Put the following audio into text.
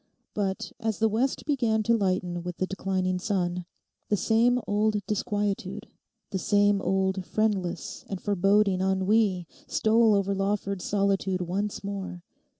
But as the west began to lighten with the declining sun, the same old disquietude, the same old friendless and foreboding ennui stole over Lawford's solitude once more.